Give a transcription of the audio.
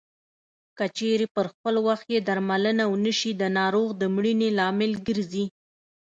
که چېرې پر خپل وخت یې درملنه ونشي د ناروغ د مړینې لامل ګرځي.